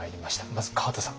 まず川田さん